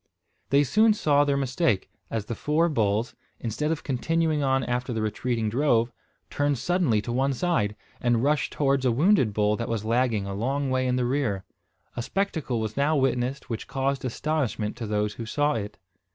They soon saw their mistake, as the four bulls, instead of continuing on after the retreating drove, turned suddenly to one side, and rushed towards a wounded bull that was lagging a long way in the rear. A spectacle was now witnessed which caused astonishment to those who saw it.